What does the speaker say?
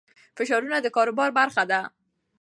فشارونه د کاروبار برخه ده.